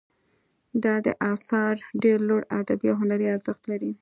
د ده آثار ډیر لوړ ادبي او هنري ارزښت لري.